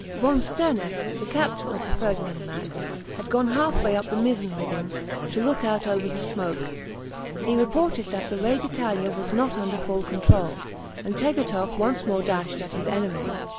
Von Sterneck, the captain of the "Ferdinand Max," had gone half way up the mizzen rigging, to look out over the smoke; he reported that the "Re d'Italia" was not under full control, and Tegethoff once more dashed at his enemy.